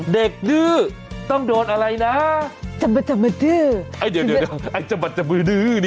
เด็กดื้อต้องโดนอะไรน่ะจับปะจับปะดื้อไอ้เดี๋ยวเดี๋ยวเดี๋ยวไอ้จับปะจับปะดื้อนี่